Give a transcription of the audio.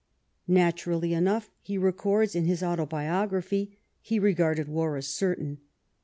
Naturally enough, he records in his Autobiography, he regarded war as certain.